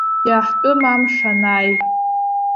Иаҳтәым амш анааи.